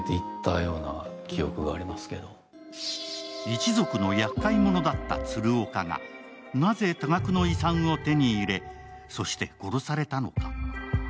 一族のやっかい者だった鶴岡がなぜ多額の遺産を手に入れそして殺されたのか？